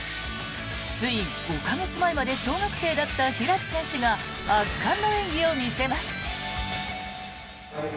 つい５か月前まで小学生だった開選手が圧巻の演技を見せます。